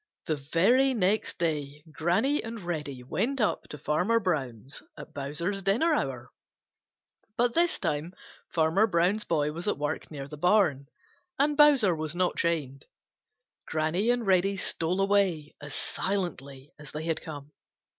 The very next day Granny and Reddy went up to Farmer Brown's at Bowser's dinner hour. But this time Farmer Brown's boy was at work near the barn, and Bowser was not chained. Granny and Reddy stole away as silently as they had come.